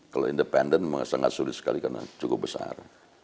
kalau independen memang sangat sulit sekali karena cukup besar